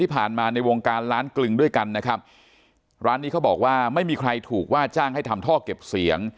ผ่านมาในวงการร้านกลึงด้วยกันนะครับร้านนี้เขาบอกว่าไม่มีใครถูกว่าจ้างให้ทำท่อเก็บเสียง